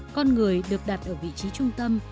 con người được đặt ở vị trí trung tâm